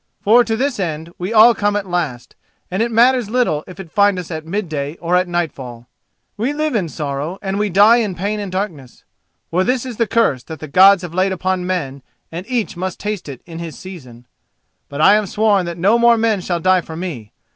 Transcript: For to this end we all come at the last, and it matters little if it find us at midday or at nightfall. We live in sorrow, we die in pain and darkness: for this is the curse that the Gods have laid upon men and each must taste it in his season. But I have sworn that no more men shall die for me.